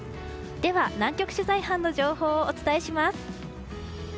では、南極取材班の情報をお伝えします。